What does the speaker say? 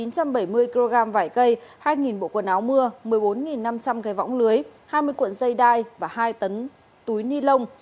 chín trăm bảy mươi kg vải cây hai bộ quần áo mưa một mươi bốn năm trăm linh cây võng lưới hai mươi cuộn dây đai và hai tấn túi ni lông